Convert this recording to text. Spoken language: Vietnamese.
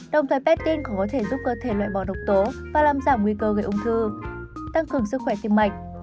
đồng thời pectin có thể giúp cơ thể loại bỏ độc tố và làm giảm nguy cơ gây ung thư tăng cường sức khỏe tim mạnh